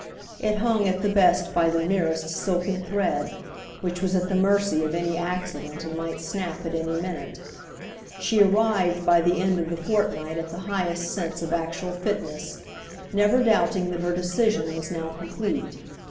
It hung at the best by the merest silken thread, which was at the mercy of any accident and might snap at any minute. She arrived by the end of the fortnight at the highest sense of actual fitness, never doubting that her decision was now complete.